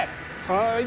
はい。